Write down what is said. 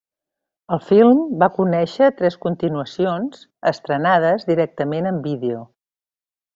El film va conèixer tres continuacions, estrenades directament en vídeo.